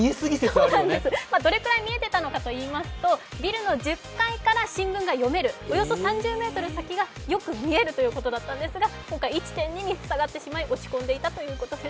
どれくらい見えていたかというとビルの１０階から新聞が読める、およそ３０ｍ先がよく見えるということだったんですが、今回１．２に下がってしまい落ち込んでいたということです。